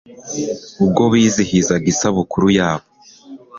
ubwo bizihizaga isabukuru yabo